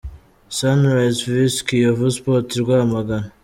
Sunrise vs Kiyovu Sports i Rwamagana.